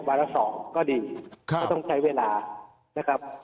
ละ๒ก็ดีก็ต้องใช้เวลานะครับ